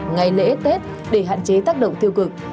ngày lễ tết để hạn chế tác động tiêu cực